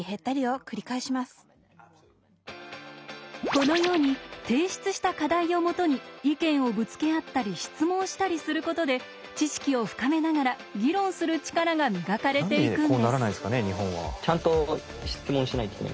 このように提出した課題をもとに意見をぶつけ合ったり質問したりすることで知識を深めながら議論する力が磨かれていくんです。